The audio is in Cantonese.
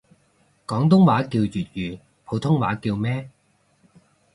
廣東話叫粵語，普通話叫咩？